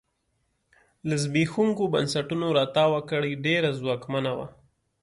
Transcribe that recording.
له زبېښونکو بنسټونو راتاوه کړۍ ډېره ځواکمنه وه.